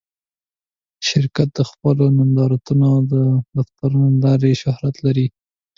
شرکت د خپلو نندارتونونو او دفترونو له لارې شهرت لري.